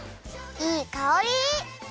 いいかおり！